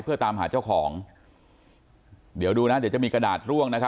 เพื่อตามหาเจ้าของเดี๋ยวดูนะเดี๋ยวจะมีกระดาษร่วงนะครับ